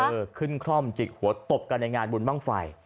ขึ้นคล่อมจิกหัวตบกันในงานบุญบ้างไฟ